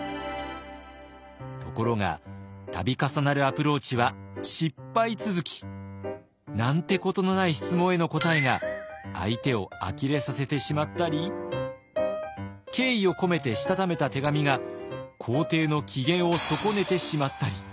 ところが度重なるアプローチは失敗続き。なんてことのない質問への答えが相手をあきれさせてしまったり敬意を込めてしたためた手紙が皇帝の機嫌を損ねてしまったり。